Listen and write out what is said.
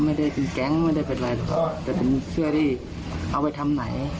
ไม่ได้เป็นแก๊งไม่ได้เป็นอะไรแต่เป็นเสื้อที่เอาไปทำไหน